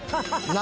何？